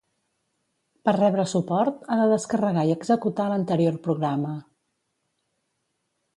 Per rebre suport ha de descarregar i executar l'anterior programa.